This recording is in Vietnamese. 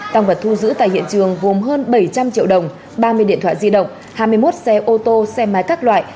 tăng vật thu giữ tại hiện trường gồm hơn bảy trăm linh triệu đồng ba mươi điện thoại di động hai mươi một xe ô tô xe máy các loại